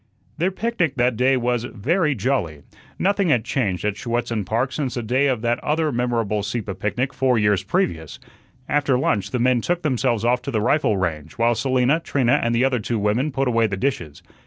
Their picnic that day was very jolly. Nothing had changed at Schuetzen Park since the day of that other memorable Sieppe picnic four years previous. After lunch the men took themselves off to the rifle range, while Selina, Trina, and the other two women put away the dishes.